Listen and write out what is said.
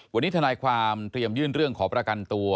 วันนี้ทนายความเตรียมยื่นเรื่องขอประกันตัว